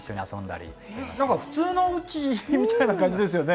なんか普通のうちみたいな感じですよね。